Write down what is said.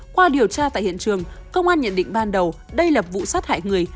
qua điều tra tại hiện trường công an nhận định ban đầu đây là vụ sát hại người